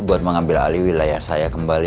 buat mengambil alih wilayah saya kembali